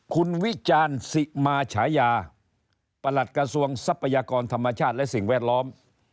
คุณวิจารณ์สิมาฉายาประหลัดกระทรวงทรัพยากรธรรมชาติและสิ่งแวดล้อม